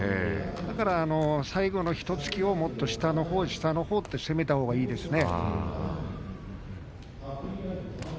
だから最後の一突きをもっと下のほう、下のほうと攻めたほうがいいですね。